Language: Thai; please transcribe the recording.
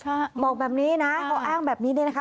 ใช่บอกแบบนี้นะเขาอ้างแบบนี้เนี่ยนะคะ